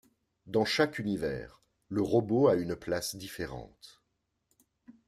Dans chaque univers, le robot a une place différente.